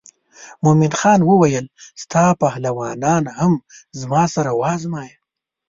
مومن خان وویل ستا پهلوانان هم زما سره وازمایه.